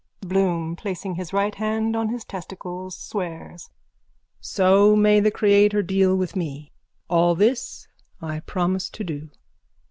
BLOOM: (Placing his right hand on his testicles, swears.) So may the Creator deal with me. All this I promise to do.